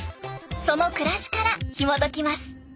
その暮らしからひもときます。